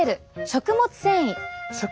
食物繊維。